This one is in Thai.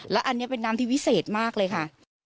และอันนี้เป็นน้ำที่วิเศษมากเลยค่ะ